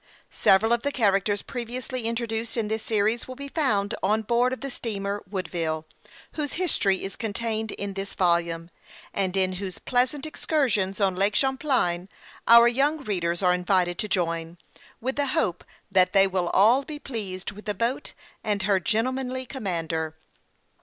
Several of the characters previously introduced in this series will be found on board of the steamer Woodville, whose history is contained in this volume, and in whose pleasant excursions on Lake Champlain our young readers are invited to join, with the hope that they will all be pleased with the boat and her gentlemanly commander.